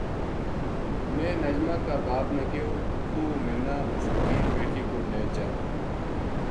میں نجمہ کا باپ نا کہیو توہ مَنا اس وکیل بیٹکی کول لے چل